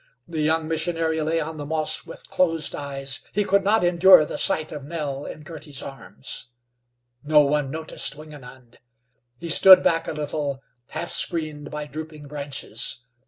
The young missionary lay on the moss with closed eyes. He could not endure the sight of Nell in Girty's arms. No one noticed Wingenund. He stood back a little, half screened by drooping branches.